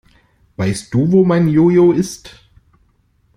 Weißt du, wo mein Jo-Jo ist?